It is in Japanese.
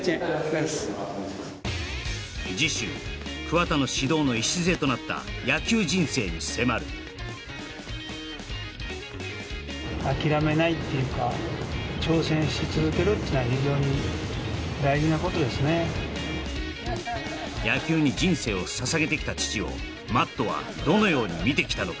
次週桑田の指導の礎となった野球人生に迫る野球に人生を捧げてきた父をＭａｔｔはどのように見てきたのか？